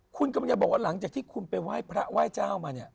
คุณกำลังจะบอกว่าหลังจากที่คุณไปไหว้พระไหว้เจ้ามาเนี่ย